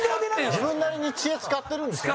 塙：自分なりに知恵、使ってるんですよね。